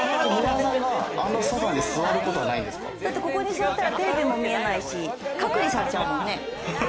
あのソファーに座ることはだってここに座ったらテレビも見えないし隔離されちゃうもんね。